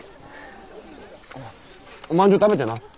おまんじゅう食べてな。